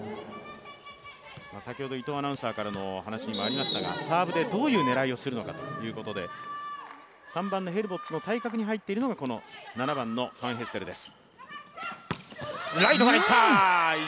先ほど伊藤アナウンサーからの話もありましたがサーブでどういう狙いをするのかということで、３番のヘルボッツの対角に入っているのが７番のファンヘステルです。